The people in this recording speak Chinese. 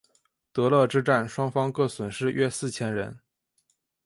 德勒之战双方各损失约四千人。